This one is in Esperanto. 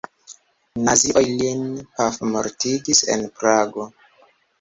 Nazioj lin pafmortigis en Prago.